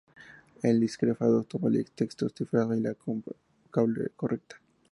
El descifrado toma el texto cifrado y la clave correcta